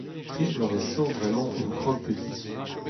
Tri bloavezh zo bremañ omp krog ganti.